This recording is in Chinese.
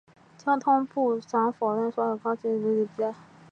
交通部部长否认了所有有关袭击抗议者的指控。